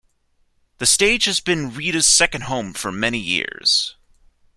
The stage has been Rita's second home for many years.